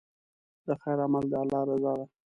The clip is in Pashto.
د خیر عمل د الله رضا ده.